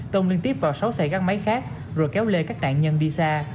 tông liên tiếp vào sáu xe gắn máy khác rồi kéo lê các nạn nhân đi xa